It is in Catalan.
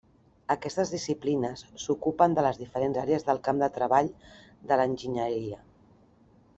Aquestes disciplines s'ocupen de les diferents àrees del camp de treball de l'enginyeria.